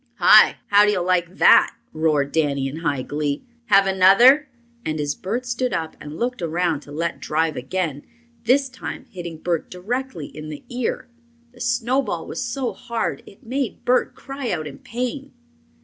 "Hi! how do you like that?" roared Danny, in high glee. "Have another?" And as Bert stood up and looked around he let drive again, this time hitting Bert directly in the ear. The snowball was so hard it made Bert cry out in pain.